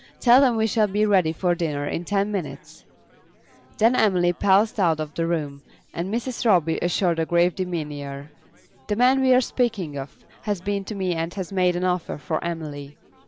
Tell them we shall be ready for dinner in ten minutes." Then Emily passed out of the room, and Mrs. Roby assumed a grave demeanour. "The man we are speaking of has been to me and has made an offer for Emily."